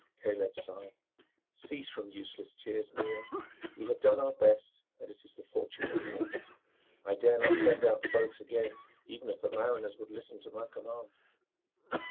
Caleb sighed. "Cease from useless tears, Miriam. We have done our best and it is the fortune of war. I dare not send out the boats again even if the mariners would listen to my command.